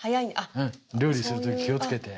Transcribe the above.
料理する時気をつけて。